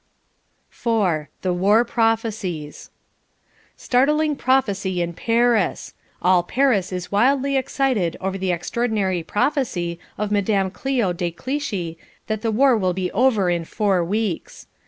IV THE WAR PROPHECIES Startling Prophecy in Paris. All Paris is wildly excited over the extraordinary prophecy of Madame Cleo de Clichy that the war will be over in four weeks.